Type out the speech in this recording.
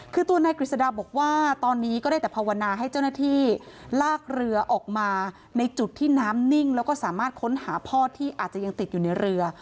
คือตัวนายกฤษฎาบอกว่าตอนนี้ก็ได้แต่ภาวนาให้เจ้าหน้าที่ลากเรือออกมาในจุดที่น้ำนิ่งแล้วก็สามารถค้นหาพ่อที่อาจจะยังติดอยู่ในเรือ